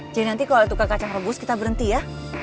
jadi nanti kalo tukar kacang rebus kita berhenti ya